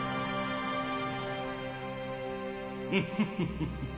ンフフフ。